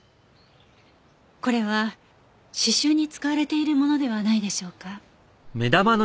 これは刺繍に使われているものではないでしょうか？